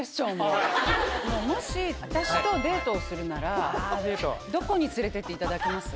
もし私とデートをするならどこに連れて行っていただけます？